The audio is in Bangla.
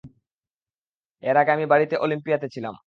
এর আগে আমি বাড়িতে, অলিম্পিয়াতে ছিলাম।